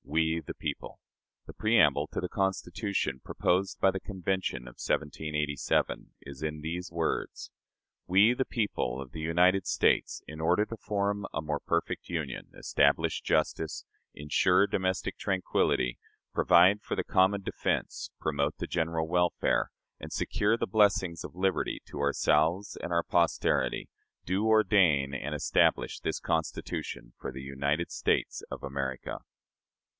"We, the People." The preamble to the Constitution proposed by the Convention of 1787 is in these words: "We, the people of the United States, in order to form a more perfect union, establish justice, insure domestic tranquillity, provide for the common defense, promote the general welfare, and secure the blessings of liberty to ourselves and our posterity, do ordain and establish this Constitution for the United States of America."